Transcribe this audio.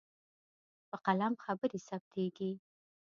په قلم خبرې ثبتېږي.